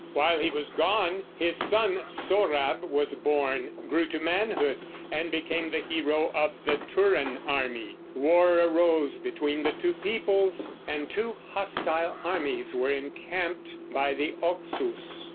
While he was gone his son Sohrab was born, grew to manhood, and became the hero of the Turan army. War arose between the two peoples, and two hostile armies were encamped by the Oxus.